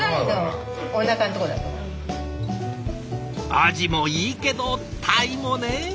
アジもいいけどタイもね！